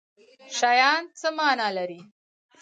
شیان څه معنی لري